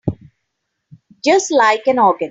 Just like an organ.